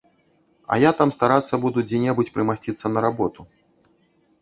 А я там старацца буду дзе-небудзь прымасціцца на работу.